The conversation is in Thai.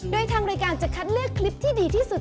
โดยทางรายการจะคัดเลือกคลิปที่ดีที่สุด